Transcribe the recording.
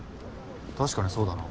確かにそうだな。